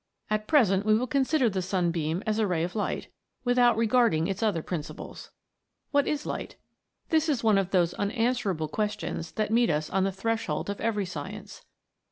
At present we will consider the sunbeam as a ray of light, without regarding its other principles. What is light ? This is one of those unanswer 90 THE MAGIC OF THE SUNBEAM. able questions that meet us on the threshold of every science.